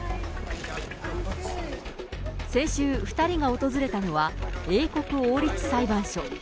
先週、２人が訪れたのは、英国王立裁判所。